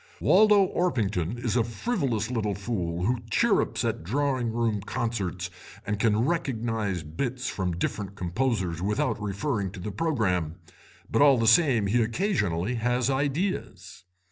Waldo Orpington is a frivolous little fool who chirrups at drawing room concerts and can recognise bits from different composers without referring to the programme, but all the same he occasionally has ideas.